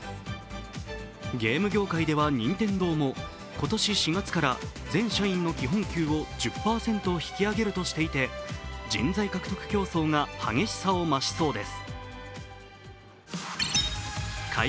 ゲーム業界では任天堂も今年４月から全社員の基本給を１０％引き上げるとしていて人材獲得競争が激しさを増しそうです。